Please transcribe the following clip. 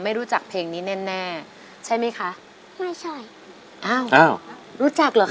ไม่รู้จักเพลงนี้แน่แน่ใช่ไหมคะไม่ใช่อ้าวอ้าวรู้จักเหรอค